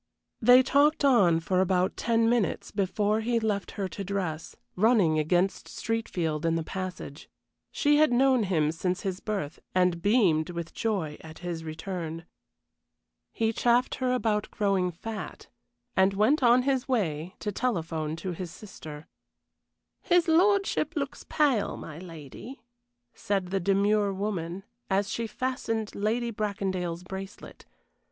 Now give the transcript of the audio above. They talked on for about ten minutes before he left her to dress, running against Streatfield in the passage. She had known him since his birth, and beamed with joy at his return. He chaffed her about growing fat, and went on his way to telephone to his sister. "His lordship looks pale, my lady," said the demure woman, as she fastened Lady Bracondale's bracelet.